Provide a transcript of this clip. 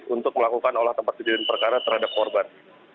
untuk melakukan olah tempat kejadian perkara terhadap korban